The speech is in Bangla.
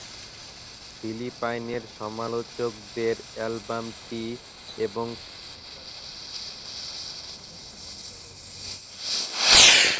ফিলিপাইনের সমালোচকরা অ্যালবামটি এবং সালুঙ্গার কর্মক্ষমতা ইতিবাচক পর্যালোচনা দিয়েছেন।